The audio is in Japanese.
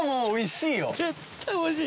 絶対おいしい。